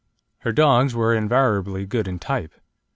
Her dogs were invariably good in type.